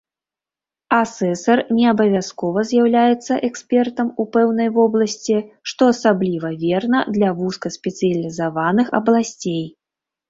Асэсар не абавязкова з'яўляецца экспертам у пэўнай вобласці, што асабліва верна для вузкаспецыялізаваных абласцей.